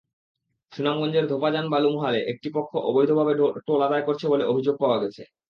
সুনামগঞ্জের ধোপাজান বালুমহালে একটি পক্ষ অবৈধভাবে টোল আদায় করছে বলে অভিযোগ পাওয়া গেছে।